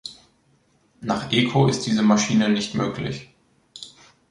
Nach Eco ist diese Maschine nicht möglich.